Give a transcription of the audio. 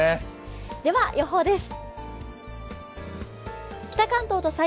では予報です。